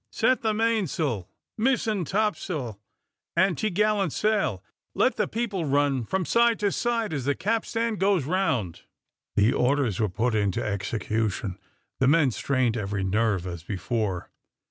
Set the mainsail, mizen topsail, and topgallant sail. Let the people run from side to side as the capstan goes round." The orders were put into execution. The men strained every nerve as before.